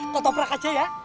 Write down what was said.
ketoprak aja ya